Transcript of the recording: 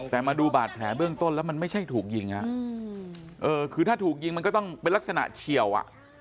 แต่มาดูบาดแผลเบื้องต้นแล้วมันไม่ใช่ถูกยิงคือถ้าถูกยิงมันก็ต้องเป็นลักษณะเฉียวอ่ะ